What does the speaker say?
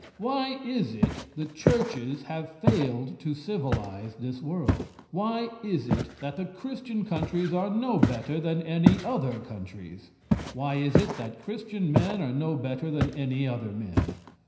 Why is it the churches have failed to civilize this world? Why is it that the Christian countries are no better than any other countries? Why is it that Christian men are no better than any other men?